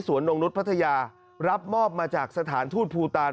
สวนองค์นุฏภัทยารับมอบมาจากสถานทูตพูตาล